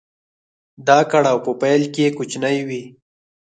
دا کړاو په پيل کې کوچنی وي.